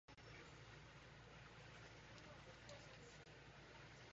However, the Storyville negatives were later found.